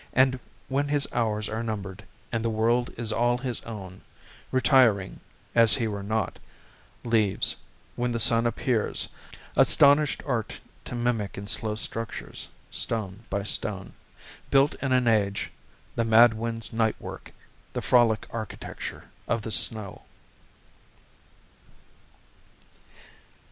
And when his hours are numbered, and the world Is all his own, retiring, as he were not, Leaves, when the sun appears, astonished Art To mimic in slow structures, stone by stone, Built in an age, the mad wind's night work, The frolic architecture of the snow.